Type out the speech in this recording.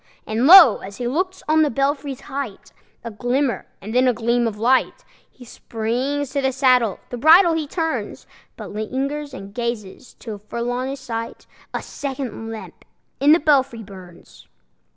And lo! as he looks, on the belfry's height A glimmer, and then a gleam of light! He springs to the saddle, the bridle he turns, But lingers and gazes, till full on his sight A second lamp in the belfry burns!